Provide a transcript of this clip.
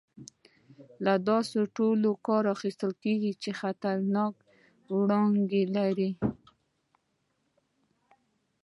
له داسې توکو کار اخیستل کېږي چې خطرناکې وړانګې لري.